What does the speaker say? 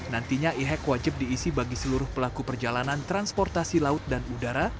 nantinya e hack wajib diisi bagi seluruh pelaku perjalanan transportasi laut dan udara